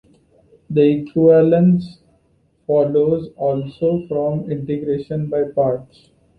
The equivalence follows also from integration by parts.